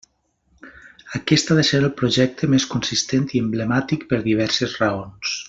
Aquest ha de ser el projecte més consistent i emblemàtic per diverses raons.